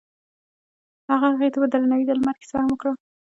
هغه هغې ته په درناوي د لمر کیسه هم وکړه.